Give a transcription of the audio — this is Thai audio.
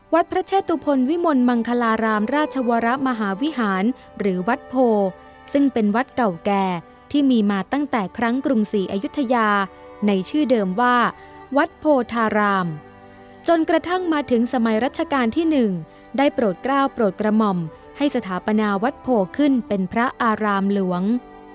วัดพระเชตุพลวิมลมังคลารามราชวรมหาวิหารหรือวัดโพซึ่งเป็นวัดเก่าแก่ที่มีมาตั้งแต่ครั้งกรุงศรีอายุทยาในชื่อเดิมว่าวัดโพธารามจนกระทั่งมาถึงสมัยรัชกาลที่๑ได้โปรดกล้าวโปรดกระหม่อมให้สถาปนาวัดโพขึ้นเป็นพระอารามหลวง